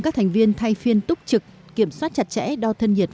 các thành viên thay phiên túc trực kiểm soát chặt chẽ đo thân nhiệt